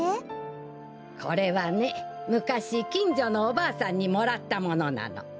これはねむかしきんじょのおばあさんにもらったものなの。